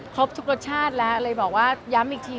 ครบทุกรสชาติแล้วเลยบอกว่าย้ำอีกที